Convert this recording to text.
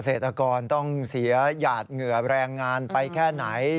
เศรษฐกรต้องเสียหยาดเหงื่อแรงงานไปแค่ไหน